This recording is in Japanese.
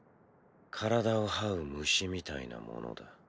体を這う虫みたいなものだ。